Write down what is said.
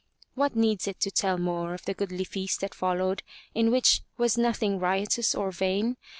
What needs it to tell more of the goodly feast that followed, in which was nothing riotous or vain?